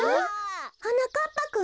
はなかっぱくん？